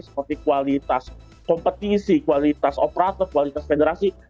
seperti kualitas kompetisi kualitas operator kualitas federasi